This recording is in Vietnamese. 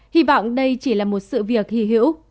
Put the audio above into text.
hy vọng đây chỉ là một sự việc hy hữu